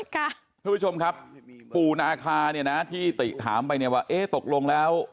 ท่านผู้ชมครับปู่นาคาเนี่ยนะที่ติถามไปเนี่ยว่าเอ๊ะตกลงแล้ว